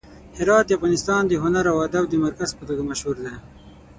هرات د افغانستان د هنر او ادب د مرکز په توګه مشهور دی.